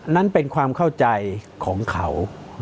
นั้นเป็นความเข้าใจของเขา